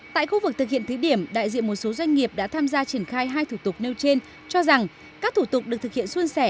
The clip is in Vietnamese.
tại khu vực thực hiện thí điểm đại diện một số doanh nghiệp đã tham gia triển khai hai thủ tục nêu trên cho rằng các thủ tục được thực hiện xuân sẻ